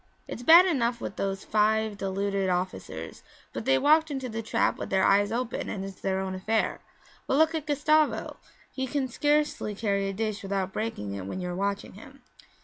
'It's bad enough with those five deluded officers, but they walked into the trap with their eyes open and it's their own affair. But look at Gustavo; he can scarcely carry a dish without breaking it when you are watching him.